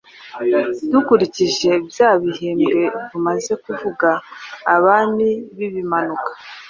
dukurikije bya bihembwe tumaze kuvuga: Abami b'Ibimanuka,